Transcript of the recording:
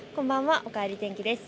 おかえり天気です。